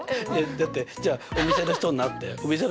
だってじゃあお店の人になって。